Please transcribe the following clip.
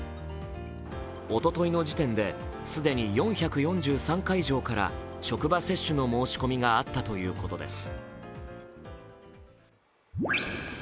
おとといの時点で既に４４３会場から職場接種の申込があったということです。